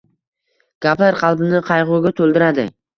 Gaplar qalbini qaygʻuga toʻldiradi.